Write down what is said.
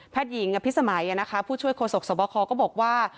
ผ้ายหญิงพิศไหมนะคะผู้ช่วยโคศกสตคก็บอกว่า